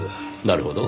なるほど。